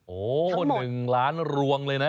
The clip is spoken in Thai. โอ้โห๑ล้านรวงเลยนะ